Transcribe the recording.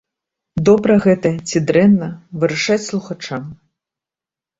Добра гэта ці дрэнна, вырашаць слухачам.